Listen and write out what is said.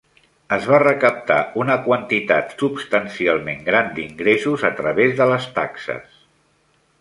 Es va recaptar una quantitat substancialment gran d'ingressos a través de les taxes.